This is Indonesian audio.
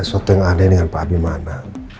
ada sesuatu yang aneh dengan pak bimana